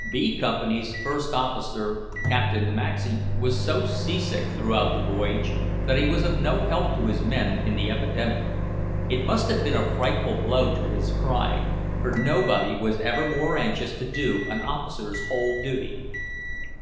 VII B Company's first officer, Captain Maxey, was so seasick throughout the voyage that he was of no help to his men in the epidemic. It must have been a frightful blow to his pride, for nobody was ever more anxious to do an officer's whole duty.